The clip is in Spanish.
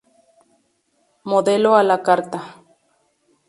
Modelo a la carta.